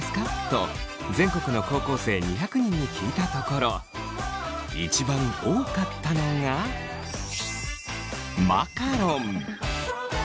と全国の高校生２００人に聞いたところ一番多かったのがマカロン！